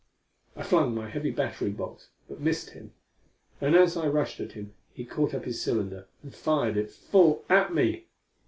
I flung my heavy battery box but missed him. And as I rushed at him he caught up his cylinder and fired it full at me!